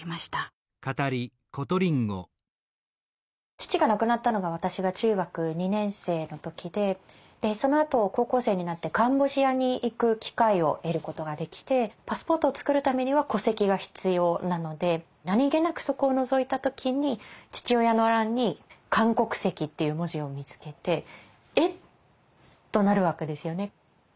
父が亡くなったのが私が中学２年生の時でそのあと高校生になってカンボジアに行く機会を得ることができてパスポートを作るためには戸籍が必要なので何気なくそこをのぞいた時に父親の欄に韓国籍っていう文字を見つけて「えっ？」となるわけですよね。